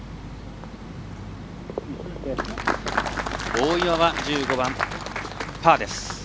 大岩は１５番、パーです。